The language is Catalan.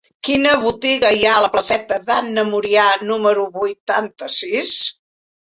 Quina botiga hi ha a la placeta d'Anna Murià número vuitanta-sis?